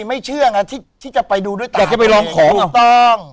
ไม่เชื่ออ่ะที่ที่จะไปดูด้วยตัดเองอยากจะไปลองของต้อง